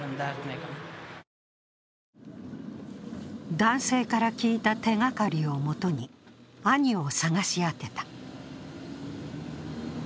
男性から聞いた手がかりをもとに、兄を捜し当てた。